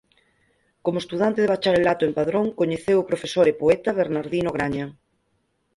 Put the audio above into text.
Como estudante de bacharelato en Padrón coñeceu o profesor e poeta Bernardino Graña.